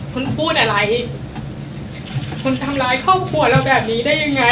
คุณพูดอะไรคุณทำร้ายครอบครัวเราแบบนี้ได้ยังไง